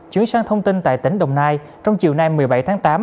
chuyển sang thông tin tại tỉnh đồng nai trong chiều nay một mươi bảy tháng tám